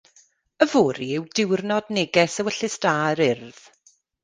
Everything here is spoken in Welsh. Yfory yw Diwnrod Neges Ewyllys Da yr Urdd.